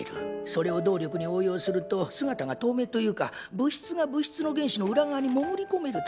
それを動力に応用すると姿が透明というか物質が物質の原子の裏側に潜り込めると書いてあった。